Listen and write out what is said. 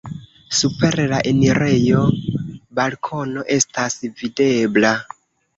Super la enirejo balkono estas videbla.